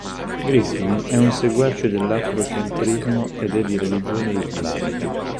Griffin è un seguace dell'Afrocentrismo ed è di religione islamica.